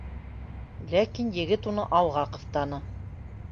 Ләкин егет уны алға ҡыҫтаны